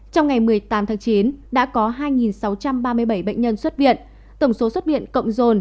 trong ngày một mươi tám tháng chín đã có hai sáu trăm ba mươi bảy bệnh nhân xuất viện tổng số xuất viện cộng rồn